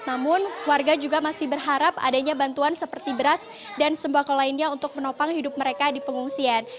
namun warga juga masih berharap adanya bantuan seperti beras dan sembako lainnya untuk menopang hidup mereka di pengungsian